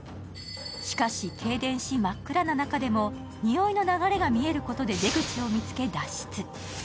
しかし、停電し真っ暗な中でもにおいの流れが見えることで出口を見つけ、脱出。